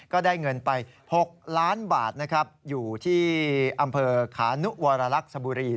ก็ได้เงินไป๖ล้านบาทนะครับอยู่ที่อำเภอขานุวรรลักษบุรี